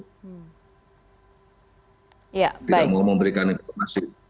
tidak mau memberikan informasi